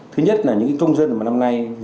thứ nhất là những công dân năm nay